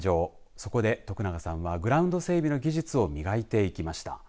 そこで徳永さんはグラウンド整備の技術を磨いていきました。